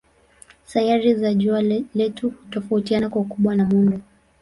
Sayari za jua letu hutofautiana kwa ukubwa na muundo.